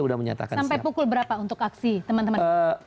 udah menyatakan siap sampai pukul berapa untuk aksi